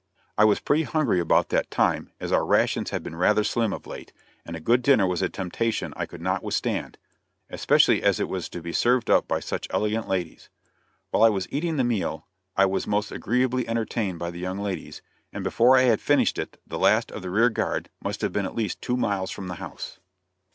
I was pretty hungry about that time, as our rations had been rather slim of late, and a good dinner was a temptation I could not withstand, especially as it was to be served up by such elegant ladies. While I was eating the meal, I was most agreeably entertained by the young ladies, and before I had finished it the last of the rear guard must have been at least two miles from the house.